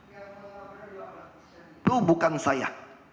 itu bukan saya